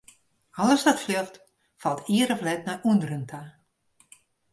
Alles wat fljocht, falt ier of let nei ûnderen ta.